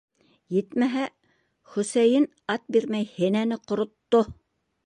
Етмәһә, Хөсәйен ат бирмәй һенәне ҡоротто...